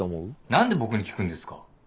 何で僕に聞くんですか？